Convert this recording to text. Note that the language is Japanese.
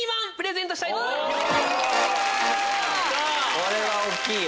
これは大きいよ。